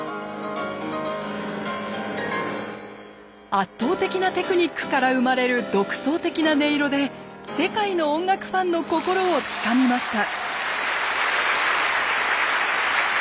圧倒的なテクニックから生まれる独創的な音色で世界の音楽ファンの心をつかみました。